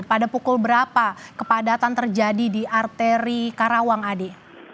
pada pukul berapa kepadatan terjadi di arteri karawang adi